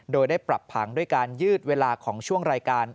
โดยได้ปรับผังด้วยการยืดเวลาของช่วงรายการ